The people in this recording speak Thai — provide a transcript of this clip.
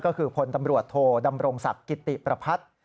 ก็คือพลตำรวจโทดำรงศักดิ์กิติประพัฒน์